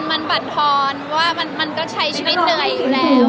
มันบรรทอนว่ามันก็ใช้ชีวิตเหนื่อยอยู่แล้ว